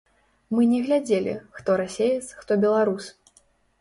Мы не глядзелі, хто расеец, хто беларус.